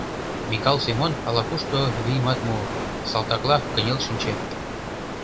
Микал Семон ала-кушто вийымат муо — салтакла кынел шинче.